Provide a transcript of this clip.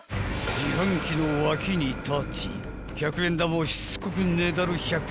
［自販機の脇に立ち１００円玉をしつこくねだる］